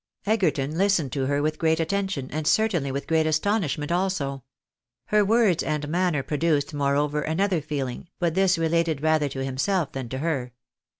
Egerton listened to her with great attention, and certainly with great astonishment also. Her words and manner produced, more over, another feeling, but this related rather to himself than to her.